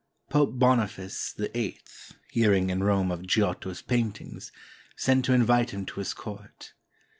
Pope Boniface VIII, hearing in Rome of Giotto's paintings, sent to invite him to his court.